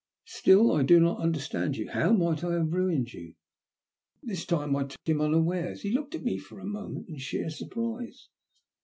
"Still I do not understand you! How might I have ruined you?" This time I took him unawares. He looked at me for a moment in sheer surprise.